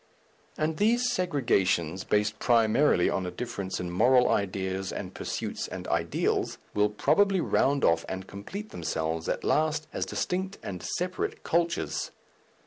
And these segregations, based primarily on a difference in moral ideas and pursuits and ideals, will probably round off and complete themselves at last as distinct and separate cultures.